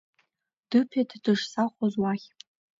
Дыԥеит дышзахәоз уахь.